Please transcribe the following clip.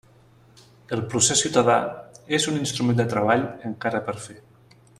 El procés ciutadà és un instrument de treball encara per fer.